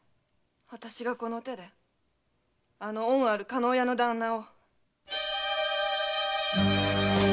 あたしがこの手であの恩ある加納屋の旦那を！